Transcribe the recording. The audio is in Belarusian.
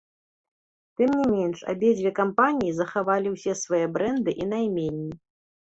Тым не менш, абедзве кампаніі захавалі ўсе свае брэнды і найменні.